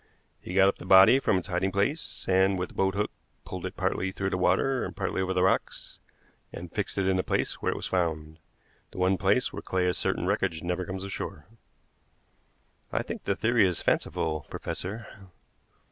He got up the body from its hiding place, and with the boathook pulled it partly through the water and partly over the rocks, and fixed it in the place where it was found, the one place where Clay is certain wreckage never comes ashore." "I think the theory is fanciful, professor."